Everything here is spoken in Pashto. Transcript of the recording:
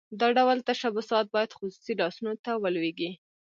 دا ډول تشبثات باید خصوصي لاسونو ته ولویږي.